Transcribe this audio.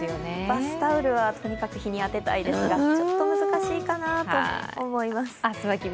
バスタオルはとにかく日に当てたいですがちょっと難しいかなと思います。